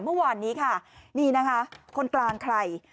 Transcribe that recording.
เมื่อวานนี้ค่ะนี่นะคะคนกลางใคร